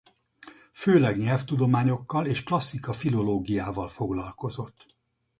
Főleg nyelvtudományokkal és klasszika-filológiával foglalkozott.